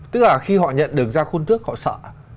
tức là khi họ nhận được ra khuôn thước họ sợ